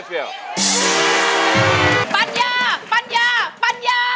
ปัญญา